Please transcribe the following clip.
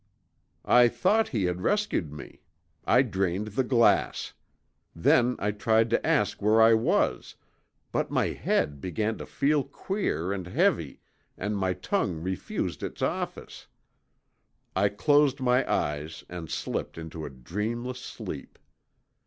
"I thought he had rescued me. I drained the glass. Then I tried to ask where I was, but my head began to feel queer and heavy and my tongue refused its office. I closed my eyes and slipped into a dreamless sleep.